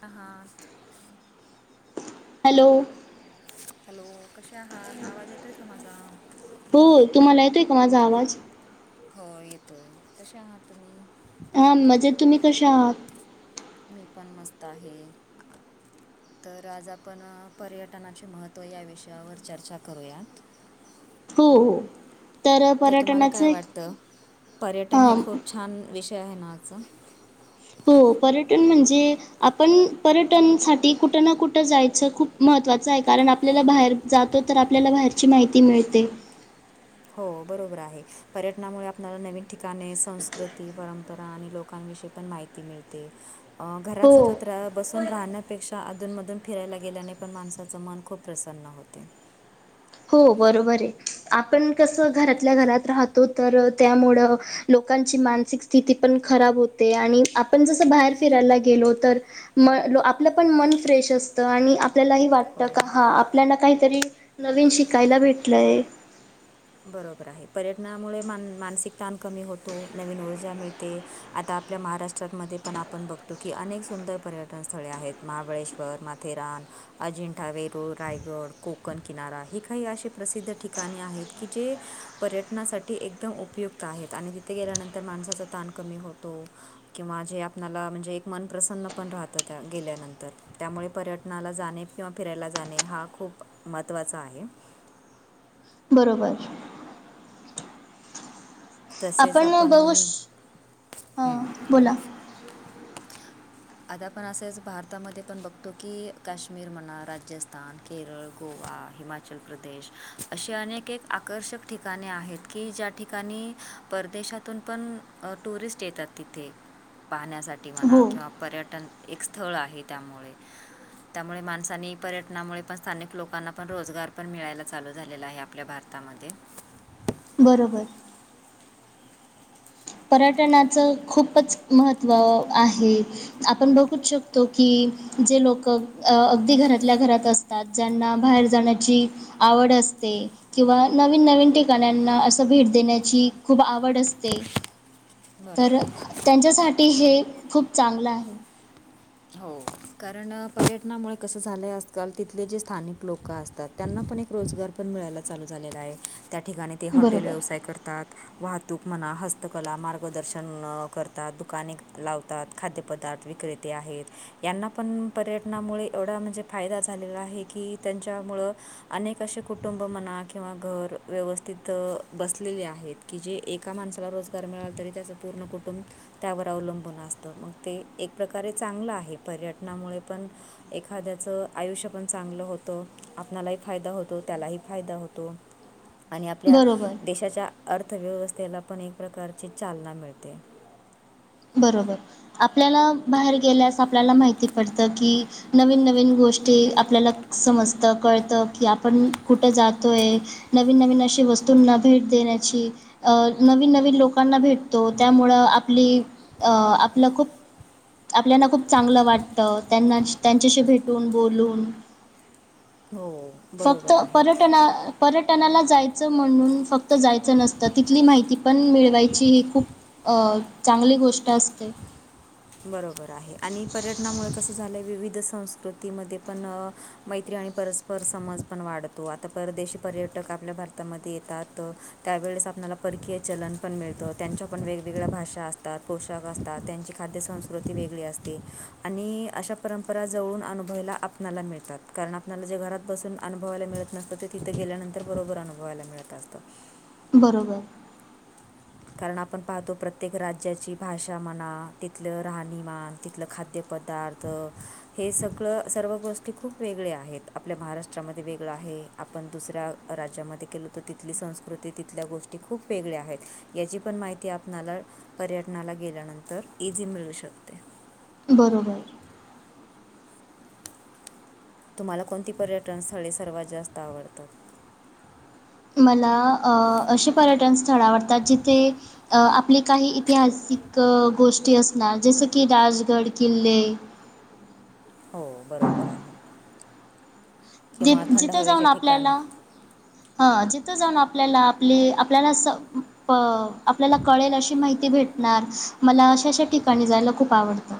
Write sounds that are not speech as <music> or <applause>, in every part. आह. Hello! Hello कसे आहात आवाज येतोय का माझा? हो तुम्हाला येतोय का माझा आवाज? हो येतोय कशे आहात तुम्ही? हां म्हजेत तुम्ही कसे आहात? मी पण मस्त आहे. तर आज आपण पर्यटनाचे महत्त्व या विषयावर चर्चा करूयात. हो हो <inaudible> तर तुम्हाला पर्यटनाचं काय एक वाटत? पर्यटन हे हां खूप छान, विषय आहे ना आज. हो पर्यटन म्हणजे, आपण पर्यटनसाठी कुठं ना कुठं जायचं खूप महत्त्वाचं आहे, कारण आपल्याला बाहेर- जातो तर आपल्याला बाहेरची माहिती मिळते. हो बरोबर आहे, पर्यटनामुळे आपल्याला नवीन ठिकाणे, संस्कृती, परंपरा आणि लोकांविषयी पण माहिती- मिळते घरात हो सतत रा- सुन राहण्यापेक्षा अधूनमधून फिरायला गेल्याने पण माणसाचं मन खूप प्रसन्न होते. हो बरोबर आहे, आपण कसं घरातल्या घरात राहतो तर त्यामुळं- लोकांची मानसिक स्थिती पण खराब होते, आणि आपण जसं बाहेर फिरायला गेलो तर- म आपलं पण मन फ्रेश असतं, आणि आपल्यालाही वाट- का हो हा आपल्याना काहीतरी नवीन शिकायला भेटलंय. बरोबर आहे, पर्यटनामुळे मान मानसिक ताण कमी होतो नवीन ऊर्जा मिळते. ते आता आपल्या महाराष्ट्रातमध्ये पण आपण बघतो की, अनेक सुंदर पर्यटन स्थळे आहेत महाबळेश्वर- बर माथेरान, अजिंठा वेरूळ, रायगड, कोकण किनारा हे काही असे प्रसिद्ध ठिकाणे आहेत. की जे पर्यटनासाठी एकदम उपयुक्त आहेत, आणि तिथे गेल्यानंतर माणसाचा ताण कमी होतो. किंवा जे आपला म्हणजे एक मन प्र्रसन्न पण राहतं त्या गेल्यानंतर. त्यामुळे पर्यटनाला जाणे किंवा फिरायला जाणे हा खूप महत्त्वाचा आहे. बरोबर. तसेच आपण, बघू श हम् बोला? आता आपण असेच भारतामध्ये पण बघतो की काश्मीर म्हणा राजस्थान केरळ गोवा हिमाचल- हिमाचल प्रदेश अशी अनेक एक आकर्षक ठिकाणे आहेत की ज्या ठिकाणी, परदेशातून पण टुरिस्ट येतात तिथे पाहण्यासाठी म्हणा हो किंवा पर्यटन एक स्थळ आहे त्यामुळे. त्यामुळे माणसानी पर्यटनामुळे पण स्थानिक लोकांना पण रोजगार पण मिळायला चालू झालेला आहे आपल्या भारतात. भतामध्ये. बरोबर. पर्यटनाचं खूपच महत्त्व आहे. आपण बघू शकतो की. जे लोक अगदी घरातल्या घरात असतात ज्यांना बाहेर जाण्याची. आवड असते. किंवा नवीन नवीन ठिकाण्यांना असं भेट देण्याची खूप आवड असते. तर बरोबर त्यांच्यासाठी हे खूप चांगलं आहे. हो कारण पर्यटनामुळे कसं झालंय आजकाल तिथले जे स्थानिक लोक असतात. त्यांना पण एक रोजगार पण मिळायला चालू झालेला आहे त्या ठिकाणी ते हॉटेल बरोबर व्यवसाय करतात. वाहतूक मना हस्तकला मार्गदर्शन करतात दुकाने लावतात खाद्य. पदार्थ विक्रेते आहेत. यांना पण पर्यटनामुळे एवढा म्हणजे फायदा झालेला आहे की त्यांच्यामुळं. अनेक असे कुटुंब मणा किंवा घर व्यवस्थित बसलेले आहेत. की जे एका माणसाला रोजगार मिळाल तरी त्याचं पूर्ण कुटुंब. त्यावर अवलंबून असत मग ते एक प्रकारे चांगलं आहे पर्यटनामुळे पण. एखाद्याचं आयुष्य पण चांगलं होतं. आपणालाही फायदा होतो त्यालाही फायदा होतो. आणि आपल्या बरोबर देशाच्या अर्थव्यवस्थेला पण एक प्रकारची चालना मिळते. बरोबर आपल्याला बाहेर गेल्यास आपल्याला माहिती पडतं की, नवीन नवीन गोष्टी आपल्याला समजतं कळतं की आपण कुठं जातोय? नवीन नवीन अशी वस्तूंना भेट देण्याची. अ नवीन नवीन लोकांना भेटतो त्यामुळं आपली अ आपलं खूप. आपल्याना खूप चांगलं वाटतं त्यांना त्यांच्याशी भेटून बोलून. हो फक्त बरोबर आहे पर्यटना पर्यटनाला जायच. म्हणून फक्त जायचं नसतं तिथली माहिती पण मिळवायची हे खूप. चांगली गोष्ट असते. बरोबर आहे आणि पर्यटनामुळे कसं झालंय विविध संस्कृतीमध्ये पण मैत्री आणि परस्पर पर समज पण वाढतो आता परदेशी पर्यटक आपल्या भारतामध्ये येतात. त्यावेळेस आपल्याला परकीय चलन पण मिळतं त्यांच्या पण वेगवेगळ्या भाषा असतात पोष. आसतात, त्यांची खाद्य संस्कृती वेगळी असते, आणि अशा परंपरा जवळून अनुभायला. अनुभवायला मिळतात, कारण आपल्याला जे घरात बसून अनुभवायला मिळत नसतं, ते तिथे गेल्यानंतर बरोबर अनुभवायला मिळत असतं. बरोबर. कारण आपण पाहतो प्रत्येक राज्याची भाषा म्हणा, तिथलं राहणीमान, तिथलं खाद्यपदार्थ, त हे सगळं, सर्व गोष्टी खूप वेगळ्या आहेत, आपल्या महाराष्ट्रामध्ये वेगळ्या आहेत, आपण दुसऱ्या राज्यामध्ये केल तर तिथली संस्कृती, तिथल्या गोष्टी खूप वेगळ्या आहेत. याची पण माहिती आपणाला पर्यटनाला गेल्यानंतर इझी मिळू शकते. बरोबर. तुम्हाला कोणती पर्यटन स्थळे सर्वात जास्त आवडतात? मला अंऽअशी पर्यटन स्थळं आवडतात जिथे आपली काही ईतिहासिक गोष्टी असणार, जसं की राजगड किल्ले हो, बरोबर आहे. किंवा जिथ थंड जिथं जाऊन हवेचे ठिकाण आपल्याला, ह, जिथं जाऊन आपल्याला, आपली, आपल्याला स प आपल्याला कळेल अशी माहिती भेट णार, मला अशा -अशा ठिकाणी जायला खूप आवडतं.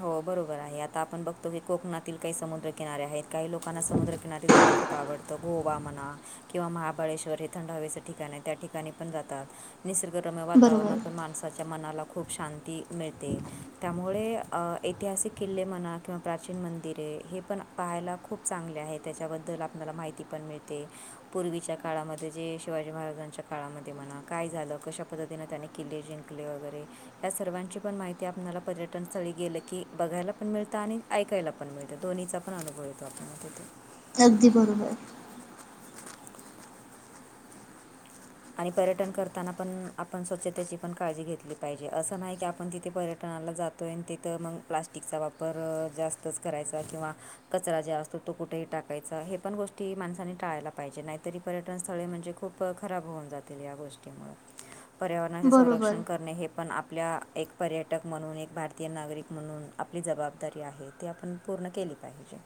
हो, बरोबर आहे, आता आपण बघतो की कोकणातील काही समुद्रकिनारे आहेत, काही लोकांना समुद्रकिनारी जायला खूपऽ खूप आवडतं, गोवा म्हणा, किंवा महाबळेश्वर हे थंड हवेचं ठिकाण आहे, त्या ठिकाणी पण जातात. निसर्गरम्य बरोबर. वातावरणातून माणसाच्या मनाला खूप शांती मिळते, त्यामुळे अ ऐतिहासिक किल्ले म्हणा, किंवा प्राचीन मंदिरे हे पण पाहायला खूप चांगले आहे, त्याच्याबद्दल आप मला माहिती पण मिळते, पूर्वीच्या काळामध्ये जे शिवाजी महाराजांच्या काळामध्ये म्हणा काय झालं, कशा पद्धतीनं त्यांनी किल्ले जिंकले वगैरे, या सर्वांची पण माहिती आपल्याला पर्यटन स्थळी गेलं की बघायला पण मिळतं आणि ऐकायला पण मिळतं, दोन्हीचा पण अनुभव येतो आपल्याला तिथून. आगदी बरोबर. आणि पर्यटन करताना पण आपण स्वच्छतेची पण काळजी घेतली पाहिजे, असं नाही की आपण तिथे पर्यटनाला जात तोय अन् तिथं मग प्लास्टिकचा वापर जास्तच करायचा किंवाऽ कचरा जे असतो तो कुठेही टाकायचा, हे पण गोष्टी माणसानी टाळायला पाहिजे, नाहीतरी- पर्यटन स्थळे म्हणजे खूप खराब होऊन जातील या गोष्टींमुळं, पर्यावरणाचे बरोबर. संरक्षण करणे हेऽ पण आपल्या एक पर्यटक म्हणून, एक भारतीय नागरिक म्हणून, आपली जबाबदारी आहे ते आपणऽ पूर्ण केली पाहिजे.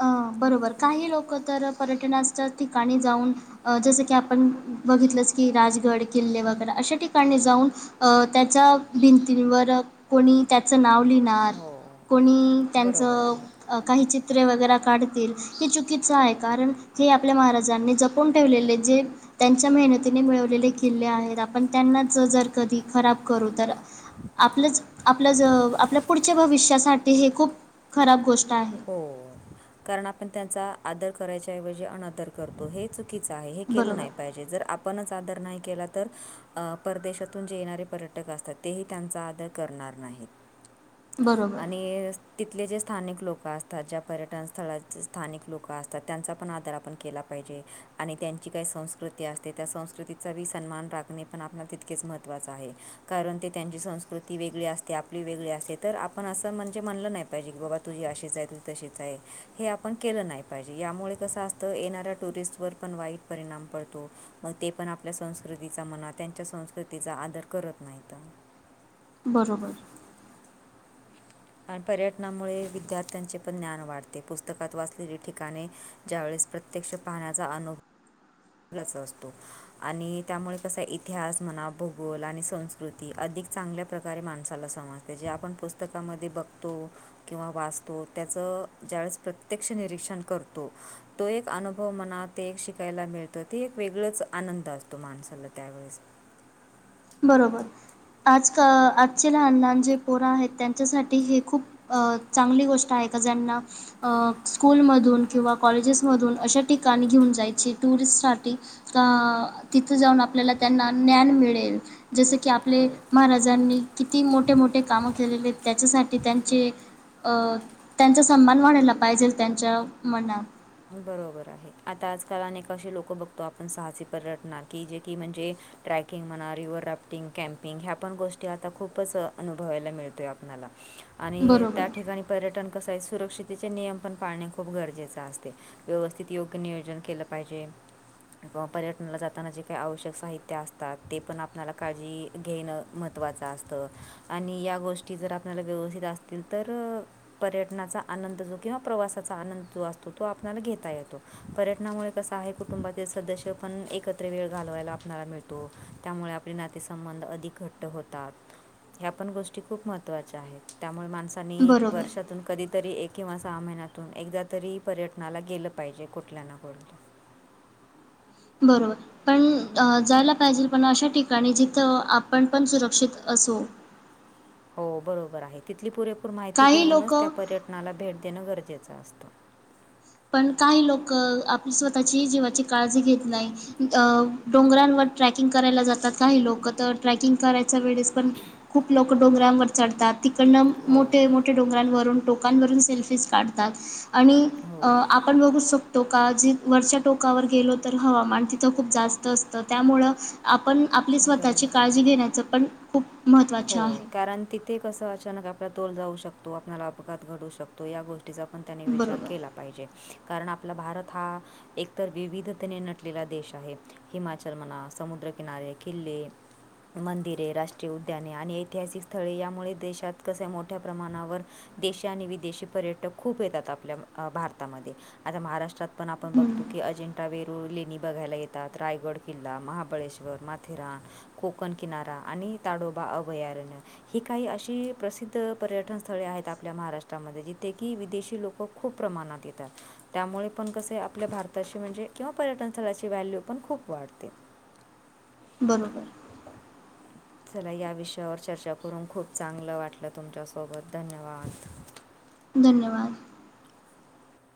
अं बरोबर काही लोकं तर पर्यटनास्थ ठिकाणी जाऊन अ जसं की, आपण बघितलंच की राजगड किल्ले वगैरे अशा ठिकाणी जाऊन, अ त्याच्या भिंतीवर कोणी त्याच नाव लिहिणं णार, हो कोणी त्यांच बरोबर आहे काही चित्रऽ चित्रे वगैरे काढतील, हे चुकीचा आहे, कारण हे आपल्या महाराजांनी जपून ठेवलेले जे, त्यांच्या मेहनतीने मिळवलेले किल्ले आहेत, आपण त्यांनाच जर कधी खराब करू तरऽ आपलंच, आपलं जो आपल्या पुढच्या भविष्यासाठी हे खूप खराब गोष्ट आहे. हो, कारण आपण त्यांचा आदर करायच्या ऐवजी अनादर करतो, हे चु कीचं आहे, हे केलं बरोबर. नाही पाहिजे, जर आ आपणच आदर नाही केला तर, परदेशातून जे येणारे पर्यटक असतात, तेही त्यांचा आदर करणार नाहीत, बरोबर, आणि तिथले जे स्थानिक लोक- क असतात ज्या पर्यटन स्थळाच स्थानिक लोकं असतात, त्यांचा पण आदर आपण केला पाहिजे. आणि त्यांची काही संस्कृती असते, त्या संस्कृतीचा बी सन्मान राखणे पण आपल्याला तितकेच महत्त्वाचं आहे. कारण ते त्यांची संस्कृती वेगळी असते, आपली वेगळी असते, तर आपण असं म्हणजे म्हणलं नाही पाहिजे की बाबा तुझी अशी आशीच आहे, तशीच आहे, हे आपण केलं नाही पाहिजे, यामुळे कसं असतं येणाऱ्या टुरिस्टवर पण वाईटऽ परिणाम पडतो. मग ते पण आपल्या संस्कृतीचा म्हणा, त्यांच्या संस्कृतीचा आदर करत नाहीत. बरोबर. आणि पर्यटनामुळे विद्यार्थ्यांचे पण ज्ञान वाढते पुस्तकात वाचलेली ठिकाणे, ज्यावेेळेस प्रत्यक्ष पाहण्याचा अनुभ जास्त असतो. आणि त्यामुळे कसं आहे इतिहास म्हणा, भूगोल आणि संस्कृती अधिक चांगल्या प्रकारे माणसाला समज ते जे आपण पुस्तकामध्ये बघतो, किंवा वाचतो त्याचं ज्यावेेळेस प्रत्यक्ष निरीक्षण करतो,, तो एक अनुभव म्हणा, ते एक शिकायला मिळ तर ते एक वेगळंच आनंद असतो माणसाला त्यावेळेस. बरोबर आज का आजचे लहान लहान जे पोरं आहेत त्यांच्यासाठी हे खूप. अ चांगली गोष्ट आहे का ज्यांना. अ स्कूलमधून किंवा कॉलेजेसमधून अशा ठिकाणी घेऊन जायची टुरिस्टसाठी. अ तिथं जाऊन आपल्याला त्यांना ज्ञान मिळेल. जस की आपले हो महाराजांनी किती मोठे मोठे काम केलेले त्याच्यासाठी त्यांचे त्यांचा सन्मान वाणायला पाहिजे त्यांच्या मनात. बरोबर आहे आता आजकाल अनेक अशी लोक बघतो आपण साहसी पर्यटणार की जे की म्हणजे ट्रॅकिंग म्हणा रिवर्हर राफ्टिंग कॅम्पिंग ह्या पण गोष्टी आता खूपच अनुभवायला मिळतोय आपला. आणि बरोबर, त्या ठिकाणी पर्यटन कसं आहे सुरक्षितचे नियम पण पाळणे खूप गरजेचं असत. ते व्यवस्थित योग्य नियोजन केलं पाहिजे. किंवा पर्यटनाला जाताना जे काही आवश्यक साहित्य असतात ते पण आपल्याला काळजी घेणं. महत्त्वाच असतं आणि या गोष्टी जर आपल्याला व्यवस्थित असतील तर. पर्यटनाचा आनंद जो किंवा प्रवासाचा आनंद जो असतो. तो आपला घेता येतो पर्टनामुळे कसा आहे कुटुंबातील सदस्य पण एकत्र वेळ घालवायला आपला मिळतो. त्यामुळे आपले नातेसंबंध अधिक घट्ट होतात. ह्या पण गोष्टी खूप महत्त्वाच्या आहेत त्यामुळे माणस. त्यां बरोबर. वर्षातून कधीतरी एक किंवा सहा महिन्यातून एकदा तरी. पर्यटनाला गेलं पाहिजे कुठल्या ना कोठ. बरोबर. पण जायला पाहिजे पण अशा ठिकाणी जिथं आपण पण सुरक्षित असो. हो बरोबर आहे तिथली पुरेपूर माहिती काही घेऊनच त्या लोकं पर्यटनाला भेट देणं गरजेचं असतं. पण काही लोक आपली स्वतःची जीवाची काळजी घेत नाही. अ डोंगरांवर ट्रॅकिंग करायला जातात काही लोक तर ट्रेकिंग करायच्या वेळेस पण खूप लोक डोंगरांवर चढतात तिकडनं हो मोठे मोठे. मो्या डोंगरांवरून टोकांवरून सेल्फीज काढतात आणि हो आपण बघू. टोका जी वरच्या टोकावर गेलो तर हवामान तिथं खूप जास्त असतं त्यामुळं आपण आपली स्वतःची बरोबर काळजी आहे घेण्याचं पण खूप हो महत्त्वाचे आहे कारण तिथे कसं अचानक आपला तोल जाऊ शकतो आपल्याला अपघात घडू शकतो या गोष्टी. तिचा पण त्यांनी विचार केला. बरोबर कारण आपला भारत हा एकतर विविधतेने नटलेला देश आहे. हिमाचल म्हणा समुद्रकिनारे किल्ले मंदिरे राष्ट्रीय उ त्याने आणि ऐतिहासिक स्थळे यामुळे देशात कस मोठ्या प्रमाणावर. देशी आणि विदेशी पर्यटक खूप येतात आपल्या भारतामध्ये आता महाराष्ट्रात पण. आपण बघतो की अजिंठा वेरूळ लेणी बघायला येतात रायगड किल्ला महाबळेश्वर माथेरान. कोकण किनारा आणि ताडोबा अभयारण्य. ही काही अशी प्रसिद्ध पर्यटन स्थळे आहेत आपल्या महाराष्ट्रामध्ये जिथे की विदेशी लोक. खूप प्रमाणात येतात. त्यामुळे पण कसे आपल्या भारताची म्हणजे किंवा पर्यटन स्थळाची व्हॅल्यू पण खूप वाढते. बरोबर. चला या विषयावर चर्चा करून खूप चांगलं वाटलं तुमच्यासोबत धन्यवाद. धन्यवाद.